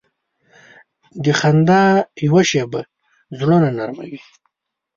د خندا یوه شیبه زړونه نرمه وي.